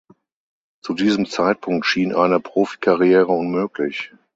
Zu diesem Zeitpunkt schien eine Profikarriere unmöglich.